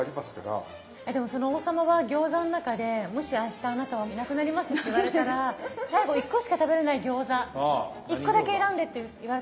でもその王様は餃子の中でもし「明日あなたはいなくなります」なんて言われたら最後１個しか食べれない餃子１個だけ選んでって言われたら何選びます？